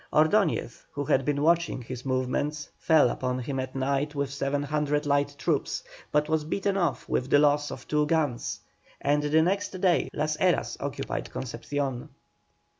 Ordoñez, who had been watching his movements, fell upon him at night with 700 light troops, but was beaten off with the loss of two guns; and the next day Las Heras occupied Concepcion.